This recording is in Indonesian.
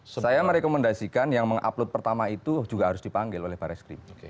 saya merekomendasikan yang mengupload pertama itu juga harus dipanggil oleh baris krim